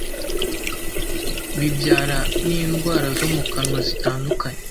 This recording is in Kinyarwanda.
bibyara n’indwara zo mu kanwa zitandukanye